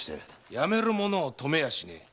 やめる者を止めやしねえ。